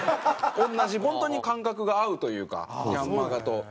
同じ本当に感覚が合うというか『ヤンマガ』と。